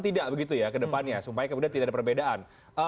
tidak begitu ya ke depannya supaya kemudian tidak ada perbedaan